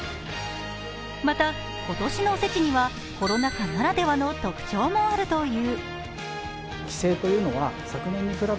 また、今年のおせちにはコロナ禍ならではの特徴もあるという。